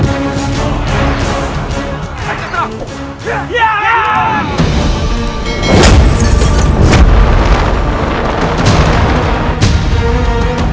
tahun yang akan hollow